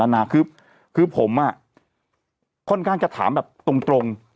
นานาคือผมค่อนข้างจะถามแบบตรง